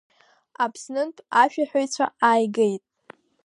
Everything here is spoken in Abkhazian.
Аԥснынтә ашәа ҳәаҩцәа ааигеит.